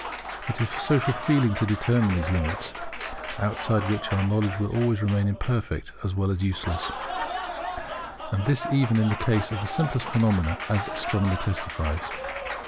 It is for social feeling to determine these limits; outside which our knowledge will always remain imperfect as well as useless, and this even in the case of the simplest phenomena; as astronomy testifies.